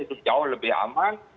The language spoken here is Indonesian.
itu jauh lebih aman